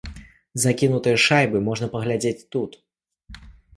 Закінутыя шайбы можна паглядзець тут.